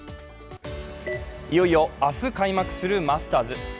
いよいよ明日開幕するマスターズ。